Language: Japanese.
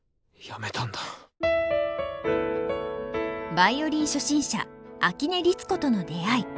ヴァイオリン初心者秋音律子との出会い。